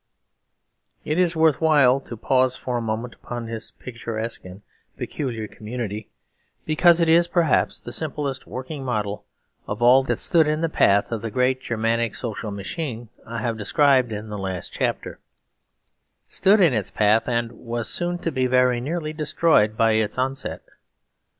It is worth while to pause for a moment upon his picturesque and peculiar community, because it is perhaps the simplest working model of all that stood in the path of the great Germanic social machine I have described in the last chapter stood in its path and was soon to be very nearly destroyed by its onset.